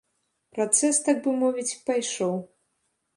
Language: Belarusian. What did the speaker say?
Працэс так бы мовіць пайшоў.